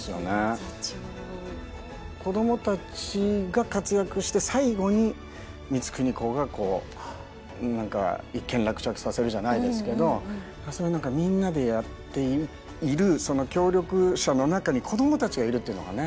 子供たちが活躍して最後に光圀公がこう何か一件落着させるじゃないですけどそういう何かみんなでやっているその協力者の中に子供たちがいるっていうのがね